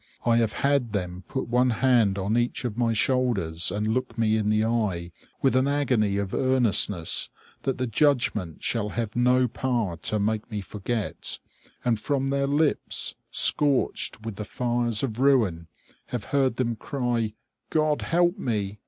I have had them put one hand on each of my shoulders, and look me in the eye, with an agony of earnestness that the judgment shall have no power to make me forget, and from their lips, scorched with the fires of ruin, have heard them cry "God help me!"